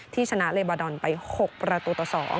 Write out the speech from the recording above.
ชนะเลบาดอนไป๖ประตูต่อ๒